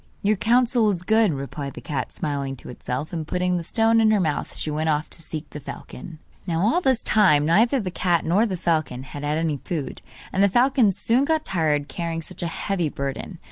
'Your counsel is good,' replied the cat, smiling to itself; and putting the stone in her mouth she went off to seek the falcon. Now all this time neither the cat nor the falcon had had any food, and the falcon soon got tired carrying such a heavy burden.